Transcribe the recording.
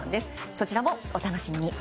そちらもお楽しみに。